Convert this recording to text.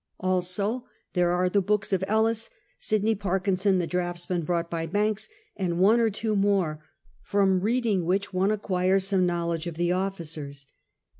Also there are the books of Ellis, Sydney Parkinson the draughtsman brought by Banks, and one or two more, from reading which one acquires some knowledge of the officers.